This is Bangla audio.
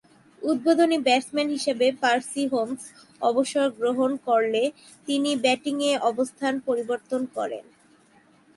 উদ্বোধনী ব্যাটসম্যান হিসেবে পার্সি হোমস অবসর গ্রহণ করলে তিনি ব্যাটিংয়ের অবস্থান পরিবর্তন করেন।